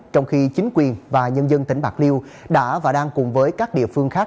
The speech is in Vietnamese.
trong khi chính quyền và nhân dân tỉnh bạc liêu đã và đang cùng với các địa phương khác